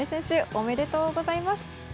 おめでとうございます。